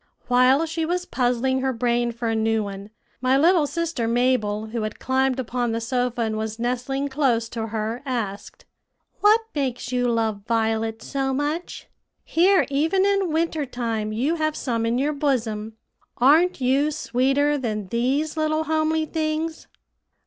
While she was puzzling her brain for a new one, my little sister Mabel, who had climbed upon the sofa and was nestling close to her, asked, "What makes you love violets so much? Here even in winter time you have some in your bosom. Aren't you sweeter than these little homely things?"